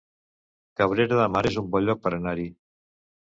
Cabrera de Mar es un bon lloc per anar-hi